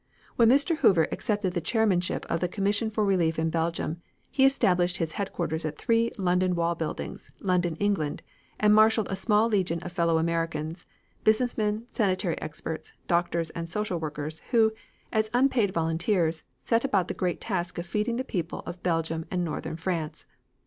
When Mr. Hoover accepted the chairmanship of the Commission for Relief in Belgium he established his headquarters at 3 London Wall Buildings, London, England, and marshaled a small legion of fellow Americans, business men, sanitary experts, doctors and social workers, who, as unpaid volunteers, set about the great task of feeding the people of Belgium and Northern France.